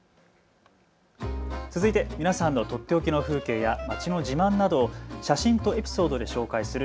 続いて皆さんのとっておきの風景や街の自慢などを写真とエピソードで紹介する＃